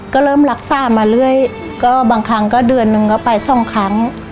ก็เริ่มรักษามาเรื่อยก็บางครั้งก็เดือนหนึ่งก็ไปสองครั้ง